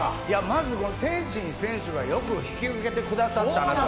まず天心選手がよく引き受けてくれた。